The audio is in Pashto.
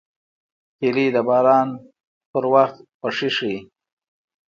هیلۍ د باران په وخت خوښي ښيي